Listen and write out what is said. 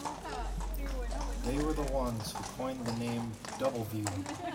They were the ones who coined the name 'Doubleview.